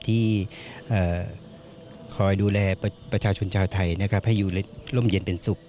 ที่คอยดูแลประชาชนชาวไทยให้ร่มเย็นเป็นสุข